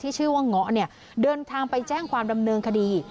ชื่อว่าเงาะเนี่ยเดินทางไปแจ้งความดำเนินคดี